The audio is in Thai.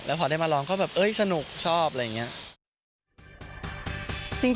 แล้วพอได้มาลองก็แบบเอ้ยสนุกชอบอะไรอย่างเงี้ย